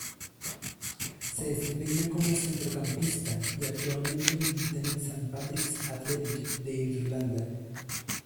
Se desempeña como centrocampista y actualmente milita en el St Patrick's Athletic de Irlanda.